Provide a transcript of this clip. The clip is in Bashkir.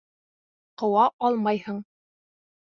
Ҡыуа алмайһың!